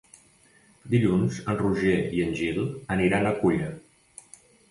Dilluns en Roger i en Gil aniran a Culla.